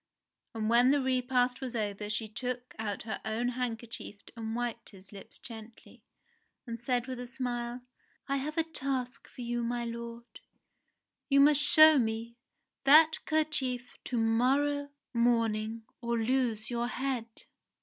And when the repast was over she took out her own handkerchief and wiped his lips gently, and said with a smile : "I have a task for you, my lord ! You must show me that kerchief to morrow morning or lose your head."